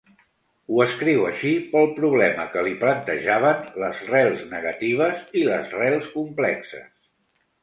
Ho escriu així pel problema que li plantejaven les rels negatives i les rels complexes.